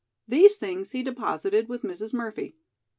These things he deposited with Mrs. Murphy.